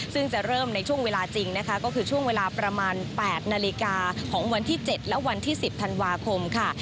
ซึ่งจะเริ่มในช่วงเวลาจริงนะคะก็คือช่วงเวลาประมาณ๘นาฬิกาของวันที่๗และวันที่๑๐ธันวาคมค่ะ